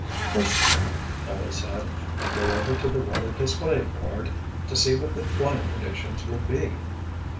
"First of all," Larry said, "I'd go over to the weather display board, to see what the flying conditions would be."